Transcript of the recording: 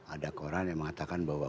ada koran yang mengatakan bahwa